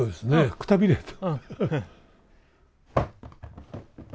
くたびれた。